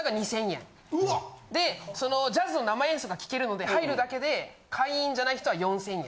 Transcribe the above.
でそのジャズの生演奏が聴けるので入るだけで会員じゃない人は４０００円。